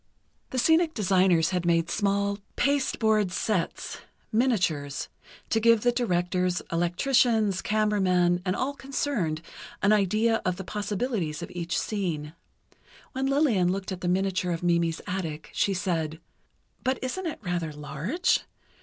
The scenic designers had made small pasteboard sets, miniatures, to give the directors, electricians, camera men, and all concerned, an idea of the possibilities of each scene. When Lillian looked at the miniature of Mimi's attic, she said: "But isn't it rather large?